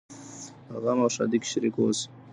په غم او ښادۍ کي شريک اوسئ.